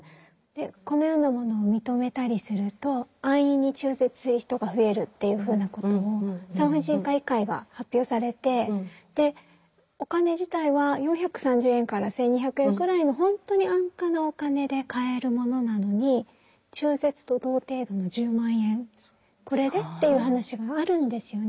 このようなものを認めたりすると安易に中絶する人が増えるっていうふうなことを産婦人科医会が発表されてお金自体は４３０円から１，２００円くらいの本当に安価なお金で買えるものなのに中絶と同程度の１０万円これでっていう話があるんですよね。